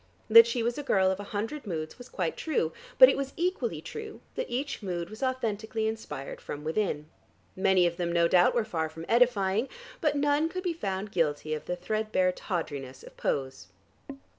That she was a girl of a hundred moods was quite true, but it was equally true that each mood was authentically inspired from within. Many of them, no doubt, were far from edifying, but none could be found guilty of the threadbare tawdriness of pose.